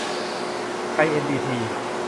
ไทย เอ็น ดี ที